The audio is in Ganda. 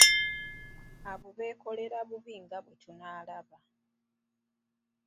Abo beekolera bubi nga bwe tunaalaba.